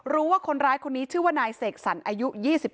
รู้ว่าคนร้ายคนนี้ชื่อว่านายเสกสรรอายุ๒๗